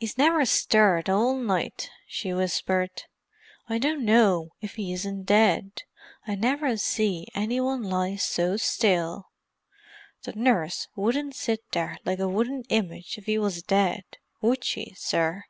"'E's never stirred all night," she whispered. "I dunno if 'e isn't dead; I never see any one lie so still. The nurse wouldn't sit there like a wooden image if 'e was dead, would she, sir?"